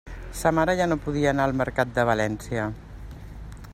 Sa mare ja no podia anar al Mercat de València.